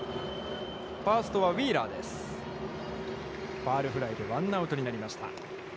ファウルフライでワンアウトになりました。